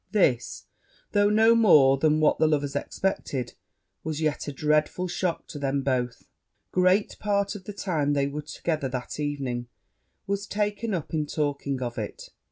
This, though no more than what the lovers expected, was yet a dreadful shock to them both: great part of the time they were together that evening was taken up in talking of it.